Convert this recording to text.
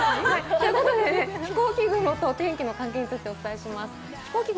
ということで、飛行機雲と天気に関係についてお伝えします。